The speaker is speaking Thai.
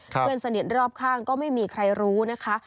เพื่อนสนิทรอบข้างก็ไม่มีใครรู้นะคะ